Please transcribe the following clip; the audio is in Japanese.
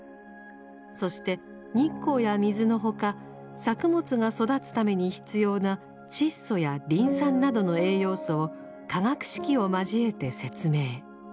そして日光や水の他作物が育つために必要な窒素やリン酸などの栄養素を化学式を交えて説明。